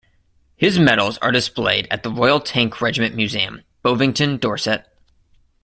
His medals are displayed at the Royal Tank Regiment Museum, Bovington, Dorset.